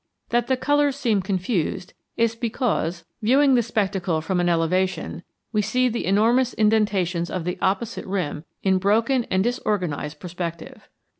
That the colors seem confused is because, viewing the spectacle from an elevation, we see the enormous indentations of the opposite rim in broken and disorganized perspective.